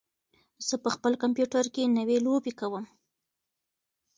زه په خپل کمپیوټر کې نوې لوبې کوم.